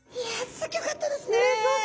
すごかったですね。